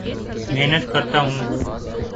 محنت کرتا ہوں